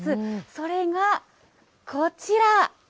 それがこちら。